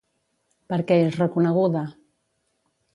Per què és reconeguda?